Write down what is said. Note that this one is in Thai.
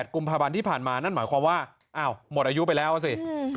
กุมภาพันธ์ที่ผ่านมานั่นหมายความว่าอ้าวหมดอายุไปแล้วสิ